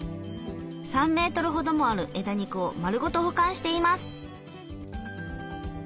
３メートルほどもある枝肉を丸ごと保管しています。